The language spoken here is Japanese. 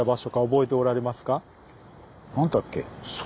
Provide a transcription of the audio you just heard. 何だっけ。